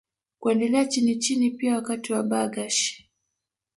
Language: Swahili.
Kuendelea chinichini pia Wakati wa Bargash